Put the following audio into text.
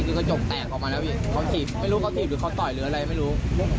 คือกระจกแตกออกมาแล้วพี่เขาถีบไม่รู้เขาถีบหรือเขาต่อยหรืออะไรไม่รู้